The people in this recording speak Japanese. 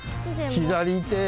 左手。